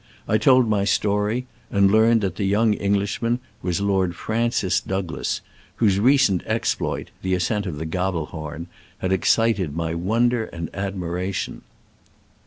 I told my story, and learned that the young Englishman was Lord Francis Douglas.f whose recent exploit; — the ascent of the Gabelhorn— had excited my wonder and admiration.